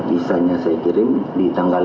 bisanya saya kirim di tanggal lima belas